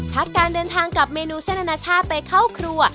การเดินทางกับเมนูเส้นอนาชาติไปเข้าครัว